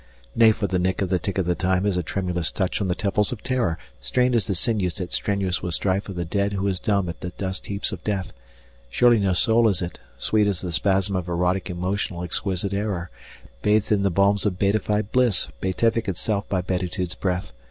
Nay, for the nick of the tick of the time is a tremulous touch on the temples of terror, Strained as the sinews yet strenuous with strife of the dead who is dumb as the dust heaps of death; Surely no soul is it, sweet as the spasm of erotic emotional exquisite error, Bathed in the balms of beatified bliss, beatific itself by beatitude's breath.